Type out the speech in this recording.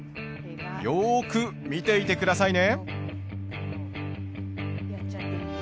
よく見ていてくださいね。